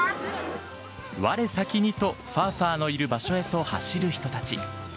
われ先にと、ファーファーのいる場所へと走る人たち。